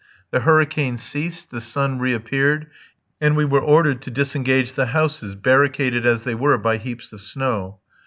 The hurricane ceased, the sun reappeared, and we were ordered to disengage the houses, barricaded as they were by heaps of snow.